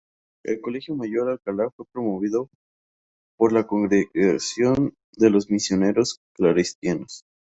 El Colegio Mayor Alcalá fue promovido por la congregación de los Misioneros Claretianos.